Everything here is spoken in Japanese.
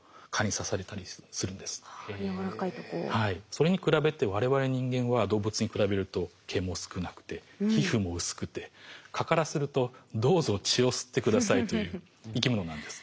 それに比べてわれわれ人間は動物に比べると毛も少なくて皮膚も薄くて蚊からするとどうぞ血を吸って下さいという生き物なんです。